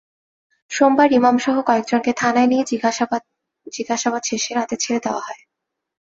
সোমবার ইমামসহ কয়েকজনকে থানায় নিয়ে জিজ্ঞাসাবাদ শেষে রাতে ছেড়ে দেওয়া হয়।